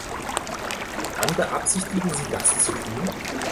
Wann beabsichtigen Sie das zu tun?